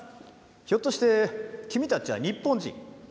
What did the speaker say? ひょっとして君たちは日本人？